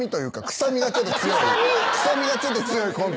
臭みがちょっと強いコント。